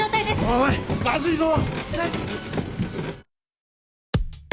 おいまずいぞ！